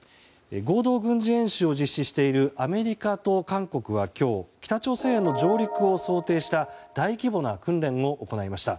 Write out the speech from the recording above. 合同軍事演習を実施しているアメリカと韓国は今日、北朝鮮への上陸を想定した大規模な訓練を行いました。